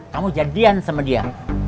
kamu jadian sama dia